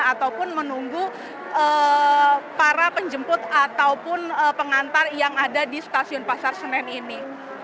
ataupun menunggu para penjemput ataupun pengantar yang ada di stasiun pasar senen ini